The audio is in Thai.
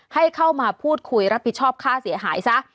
ให้เข้ามาพูดคุยรับผิดชอบค่าเสียหายซะ